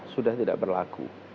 sudah tidak berlaku